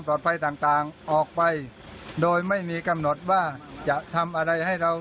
ภัยต่างออกไปโดยไม่มีกำหนดว่าจะทำอะไรให้เรา